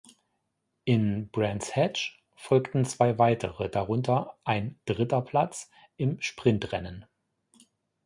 In Brands Hatch folgten zwei weitere, darunter ein dritter Platz im Sprintrennen.